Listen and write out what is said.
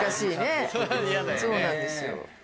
そうなんですよ。